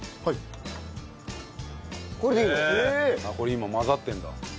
これ今混ざってるんだ。